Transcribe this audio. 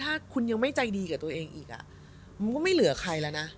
ถ้าคุณยังไม่ใจดีกับตัวเองอีกมันก็ไม่เหลือใครแล้วนะ